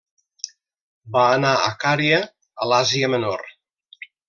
Va anar a Cària, a l'Àsia menor.